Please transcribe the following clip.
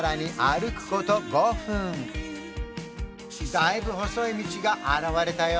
だいぶ細い道が現れたよ